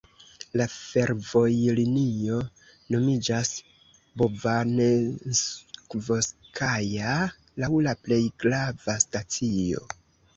La fervojlinio nomiĝas Bovanenskovskaja laŭ la plej grava stacio.